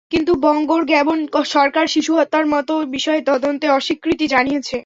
কিন্তু বঙ্গোর গ্যাবন সরকার শিশু হত্যার মতো বিষয়ে তদন্তে অস্বীকৃতি জানিয়েছে।